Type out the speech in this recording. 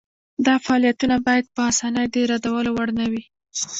دا فعالیتونه باید په اسانۍ د ردولو وړ نه وي.